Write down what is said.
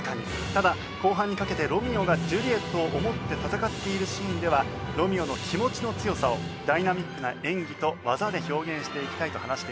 ただ後半にかけてロミオがジュリエットを思って戦っているシーンではロミオの気持ちの強さをダイナミックな演技と技で表現していきたいと話しています。